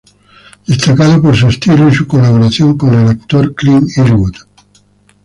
Destacado por su estilo y su colaboración con el actor Clint Eastwood.